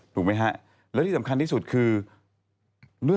ถูกไหมฮะแล้วที่สำคัญที่สุดคือ